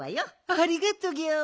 ありがとギャオ。